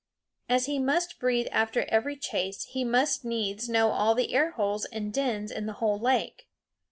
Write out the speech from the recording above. As he must breathe after every chase he must needs know all the air holes and dens in the whole lake.